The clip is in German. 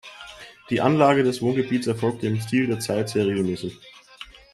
Die Anlage des Wohngebietes erfolgte im Stil der Zeit sehr regelmäßig.